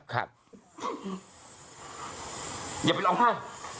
อย่าไปร้องไห้